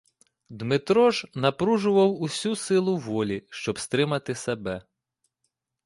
Дмитро ж напружував усю силу волі, щоб стримати себе.